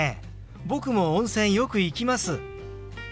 僕も温泉よく行きます。